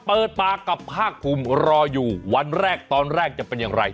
เปิดปากกับภาคภูมิรออยู่วันแรกตอนแรกจะเป็นอย่างไร